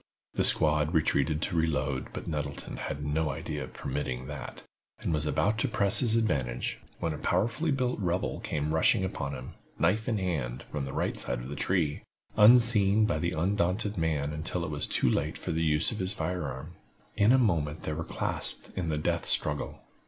The squad retreated to reload, but Nettleton had no idea of permitting that, and was about to press his advantage, when a powerfully built rebel came rushing upon him, knife in hand, from the right side of the tree, unseen by the undaunted man until it was too late for the use of his fire arm. In a moment they were clasped in the death struggle.